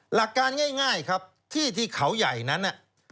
หลักการง่ายครับที่ที่เขาใหญ่นั้น